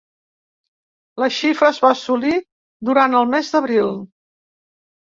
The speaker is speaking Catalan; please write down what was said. La xifra es va assolir durant el mes d’abril.